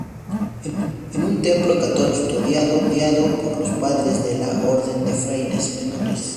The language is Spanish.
Es un templo católico custodiado por los Padres de la Orden de Frailes Menores.